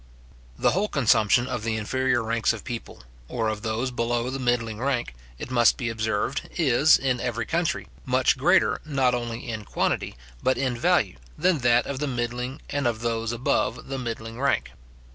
The whole consumption of the inferior ranks of people, or of those below the middling rank, it must be observed, is, in every country, much greater, not only in quantity, but in value, than that of the middling, and of those above the middling rank.